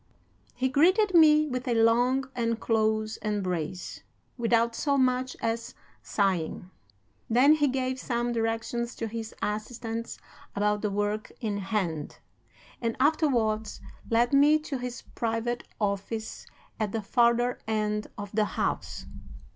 "He greeted me with a long and close embrace, without so much as sighing. Then he gave some directions to his assistants about the work in hand, and afterwards led me to his private office at the farther end of the house.